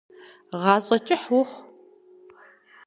Гъащӏэ кӏыхь ухъу.